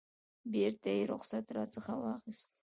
بیرته یې رخصت راڅخه واخیست.